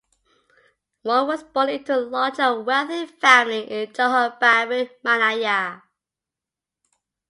Wong was born into a large and wealthy family in Johor Bahru, Malaya.